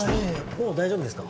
もう大丈夫ですか？